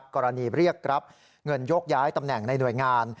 เรียกรับเงินโยกย้ายตำแหน่งในหน่วยงาน